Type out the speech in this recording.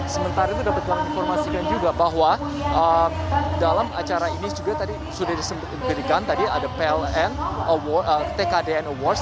sementara itu dapat kami informasikan juga bahwa dalam acara ini juga tadi sudah disebutkan tadi ada pln tkdn awards